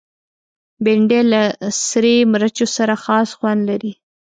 بېنډۍ له سرې مرچو سره خاص خوند لري